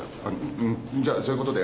じゃあそういうことで。